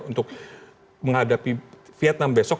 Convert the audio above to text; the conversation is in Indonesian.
untuk menghadapi vietnam besok